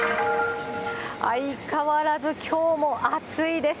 相変わらずきょうも暑いです。